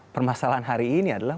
permasalahan hari ini adalah